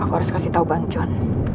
aku harus kasih tahu bang john